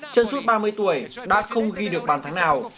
chân suốt ba mươi tuổi đã không ghi được bàn thắng nào